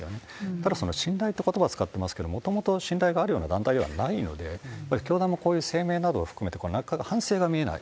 ただ、信頼ってことばを使ってますけど、もともと信頼があるような団体ではないので、やっぱり教団も、こういう声明などを含めて、反省が見えない。